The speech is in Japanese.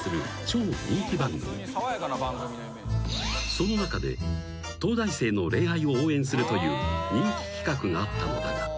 ［その中で東大生の恋愛を応援するという人気企画があったのだが］